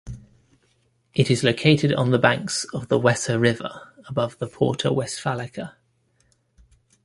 It is located on the banks of the Weser river above the Porta Westfalica.